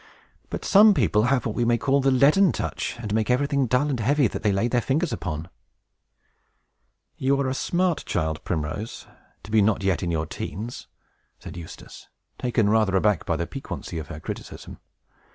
But some people have what we may call 'The Leaden Touch,' and make everything dull and heavy that they lay their fingers upon." "You are a smart child, Primrose, to be not yet in your teens," said Eustace, taken rather aback by the piquancy of her criticism.